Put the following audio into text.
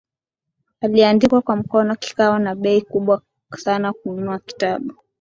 kiliandikwa kwa mkono kikawa na bei kubwa sana Kununua kitabu